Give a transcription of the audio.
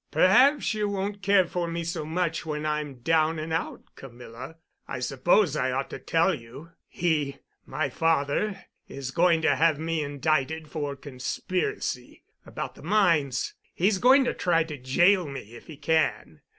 Perhaps you won't care for me so much when I'm down and out, Camilla. I suppose I ought to tell you. He—my father is going to have me indicted for conspiracy—about the mines. He's going to try to jail me—if he can."